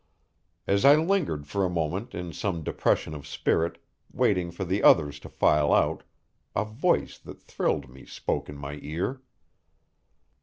As I lingered for a moment in some depression of spirit, waiting for the others to file out, a voice that thrilled me spoke in my ear.